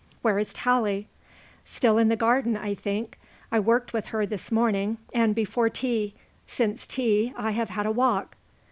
"Where is Tallie?" "Still in the garden, I think. I worked with her this morning and before tea. Since tea I have had a walk."